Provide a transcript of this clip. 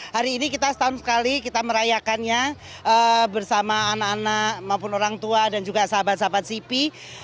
hari ini kita setahun sekali kita merayakannya bersama anak anak maupun orang tua dan juga sahabat sahabat sipi